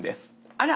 あら！